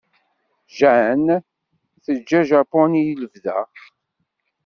Jane teǧǧa Japun i lebda.